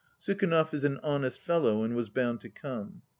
Sukhanov is an honest fellow, and was bound to come."